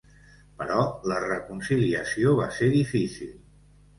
Però la reconciliació va ser difícil.